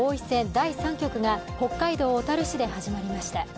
第３局が北海道小樽市で始まりました。